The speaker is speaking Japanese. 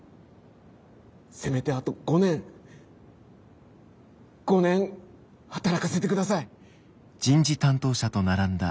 せめてあと５年５年働かせてください。